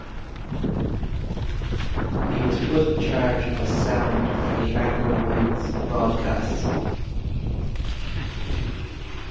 He was put in charge of sound for the anchorwoman’s broadcasts.